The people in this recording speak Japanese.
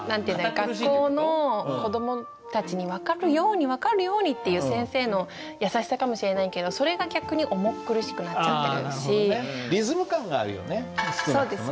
学校の子どもたちに分かるように分かるようにっていう先生の優しさかもしれないけどそれが逆にそうですね。